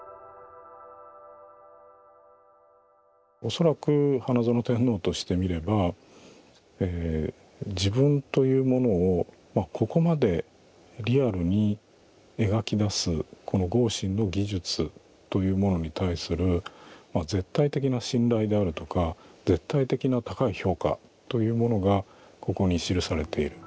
恐らく花園天皇としてみれば自分というものをここまでリアルに描き出すこの豪信の技術というものに対する絶対的な信頼であるとか絶対的な高い評価というものがここに記されている。